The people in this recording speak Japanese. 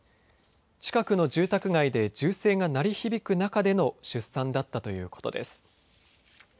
近くの住宅街で銃声が鳴り響く中での出産だったということです。